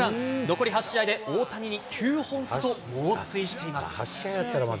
残り８試合で、大谷に９本差と、猛追しています。